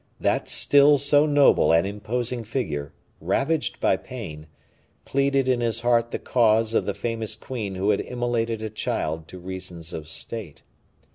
That still so noble and imposing figure, ravaged by pain, pleaded in his heart the cause of the famous queen who had immolated a child to reasons of state.